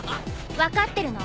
分かってるの？